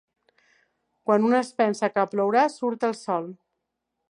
Quan un es pensa que plourà, surt el sol.